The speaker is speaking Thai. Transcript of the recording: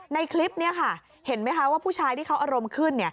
ในคลิปนี้ค่ะเห็นไหมคะว่าผู้ชายที่เขาอารมณ์ขึ้น